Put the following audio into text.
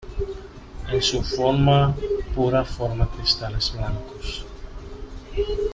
En su forma pura forma cristales blancos.